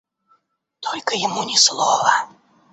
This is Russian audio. Только ему ни слова.